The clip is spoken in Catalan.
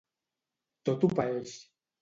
Tot ho paeix.